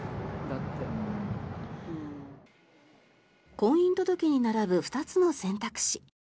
婚姻届に並ぶ２つの選択肢。